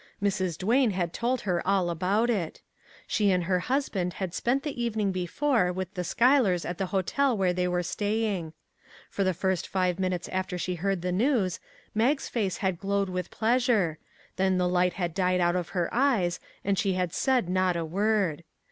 Mrs. Duane had told her all about it. She and her husband had spent the evening before with the Schuylers at the hotel where they were staying. For the first five minutes after she heard the news, Mag's face had glowed with pleasure. Then the light had died out of her eyes, and she had said not a word.